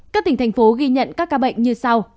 các tỉnh thành phố ghi nhận các ca bệnh như sau